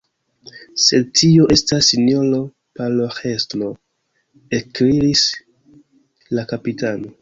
Sed tio estas sinjoro paroĥestro, ekkriis la kapitano.